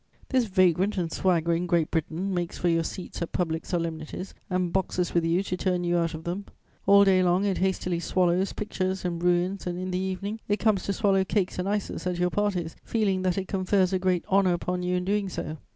This vagrant and swaggering Great Britain makes for your seats at public solemnities, and boxes with you to turn you out of them: all day long it hastily swallows pictures and ruins and, in the evening, it comes to swallow cakes and ices at your parties, feeling that it confers a great honour upon you in doing so.